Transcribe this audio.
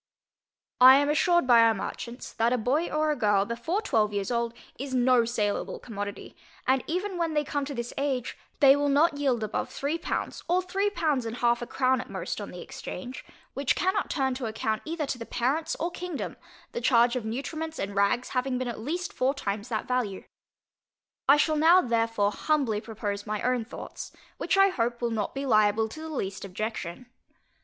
I am assured by our merchants, that a boy or a girl, before twelve years old, is no saleable commodity, and even when they come to this age, they will not yield above three pounds, or three pounds and half a crown at most, on the exchange; which cannot turn to account either to the parents or kingdom, the charge of nutriments and rags having been at least four times that value. I shall now therefore humbly propose my own thoughts, which I hope will not be liable to the least objection.